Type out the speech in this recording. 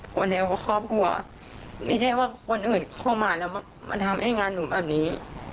หัวหน้าครอบครัวไม่ใช่ว่าคนอื่นเข้ามาแล้วมันทำให้งานหนูแบบนี้